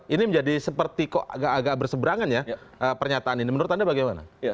ini menjadi seperti kok agak agak berseberangan ya pernyataan ini menurut anda bagaimana